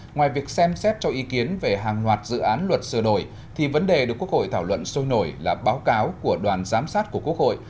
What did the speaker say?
ngoài việc xem xét cho ý kiến về hàng loạt dự án luật sửa đổi thì vấn đề được quốc hội thảo luận sôi nổi là báo cáo của đoàn giám sát của quốc hội